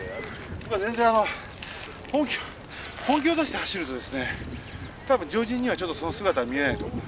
全然あの本気本気を出して走るとですね多分常人にはちょっとその姿は見えないと思う。